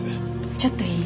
ちょっといい？